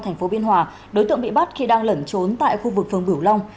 thành phố biên hòa đối tượng bị bắt khi đang lẩn trốn tại khu vực phường bửu long